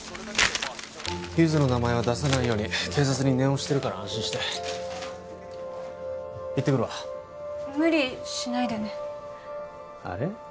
ゆづの名前は出さないように警察に念押ししてるから安心して行ってくるわ無理しないでねあれ？